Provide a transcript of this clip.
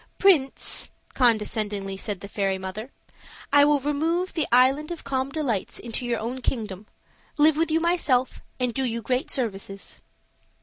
"Prince," condescendingly said the fairy mother, "I will remove the Island of Calm Delights into your own kingdom, live with you myself, and do you great services."